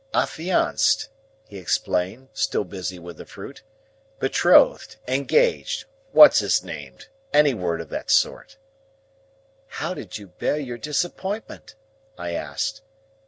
"Affianced," he explained, still busy with the fruit. "Betrothed. Engaged. What's his named. Any word of that sort." "How did you bear your disappointment?" I asked.